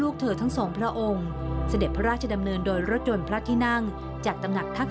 ของที่จะติดตามยาลา